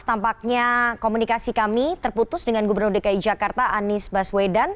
tampaknya komunikasi kami terputus dengan gubernur dki jakarta anies baswedan